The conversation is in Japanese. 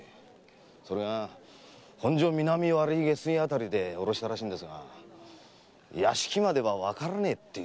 それが本所南割下水あたりで降ろしたらしいんですが屋敷まではわからねえって言うんですよ。